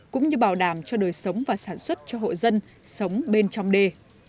cũng như bảo đảm cho đời sống và sản xuất cho hộ dân sống bên trong đê